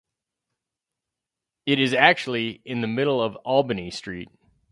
It is actually in the middle of Albany Street.